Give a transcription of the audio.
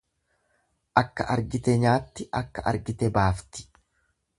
Akka argite nyaatti akka argite baafti.